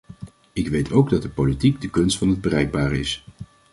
Ik weet ook dat politiek de kunst van het bereikbare is.